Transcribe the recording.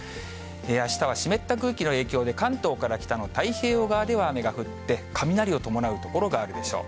あしたは湿った空気の影響で、関東から北の太平洋側では雨が降って、雷を伴う所があるでしょう。